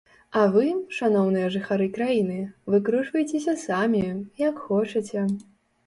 А вы, шаноўныя жыхары краіны, выкручвайцеся самі, як хочаце.